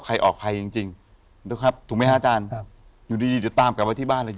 ขอบคุณด้วยครับ